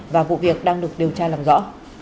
và vụ việc đang được điều tra làm rõ